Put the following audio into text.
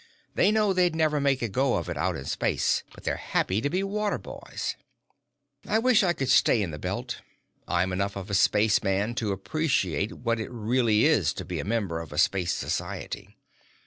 They know they'd never make a go of it out in space, but they're happy to be water boys. I wish I could stay in the Belt. I'm enough of a spaceman to appreciate what it really is to be a member of a space society.